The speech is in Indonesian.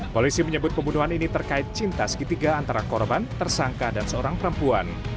polisi menyebut pembunuhan ini terkait cinta segitiga antara korban tersangka dan seorang perempuan